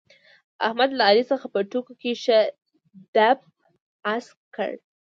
احمد له علي څخه په ټوکو کې ښه دپ اسک کړ.